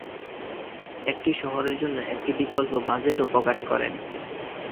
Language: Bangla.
এটি শহরের জন্য একটি বিকল্প বাজেটও প্রকাশ করে।